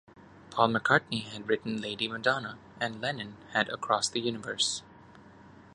Paul McCartney had written "Lady Madonna", and Lennon had "Across the Universe".